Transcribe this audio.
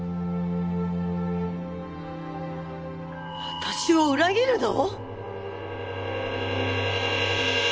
私を裏切るの！？